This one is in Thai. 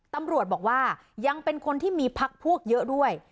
ตำรวจบอกว่ายังเป็นคนที่มีพักพวกเยอะด้วย